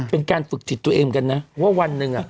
เป็นการฝึกจิตตัวเองกันนะว่าวันหนึ่งอ่ะ